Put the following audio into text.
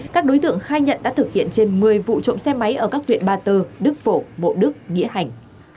các đối tượng khai nhận đã thực hiện trên một mươi vụ trộm xe máy ở các huyện ba tơ đức phổ mộ đức nghĩa hành